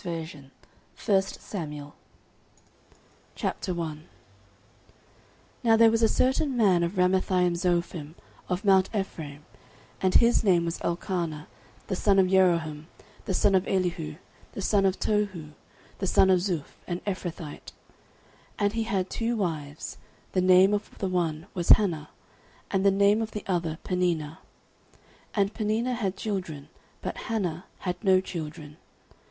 Book 09 1 Samuel 09:001:001 Now there was a certain man of Ramathaimzophim, of mount Ephraim, and his name was Elkanah, the son of Jeroham, the son of Elihu, the son of Tohu, the son of Zuph, an Ephrathite: 09:001:002 And he had two wives; the name of the one was Hannah, and the name of the other Peninnah: and Peninnah had children, but Hannah had no children.